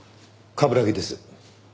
冠城です。